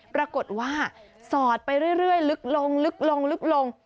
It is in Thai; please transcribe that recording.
ปรากฏว่าสอดไปเรื่อยลึกลง